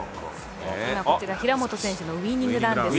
こちら、平本選手のウィニングランです。